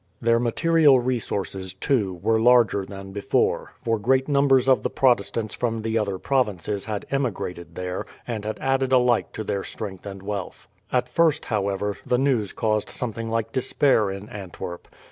Their material resources, too, were larger than before, for great numbers of the Protestants from the other provinces had emigrated there, and had added alike to their strength and wealth. At first, however, the news caused something like despair in Antwerp.